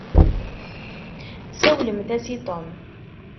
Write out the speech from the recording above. Tsawlemt-as i Tom.